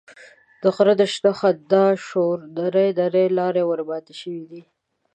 د غره د شنه خندا شور ته نرۍ نرۍ لارې ورماتې شوې دي.